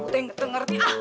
aku tuh yang ngeteng ngerti ah